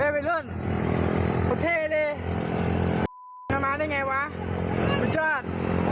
เวลุ้นพอเท่เลยมาได้ไงวะอุ้ยจ้าโอ้โห